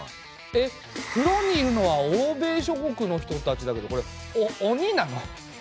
えっ風呂にいるのは欧米諸国の人たちだけどこれ鬼なの？